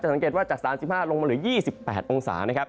สังเกตว่าจาก๓๕ลงมาเหลือ๒๘องศานะครับ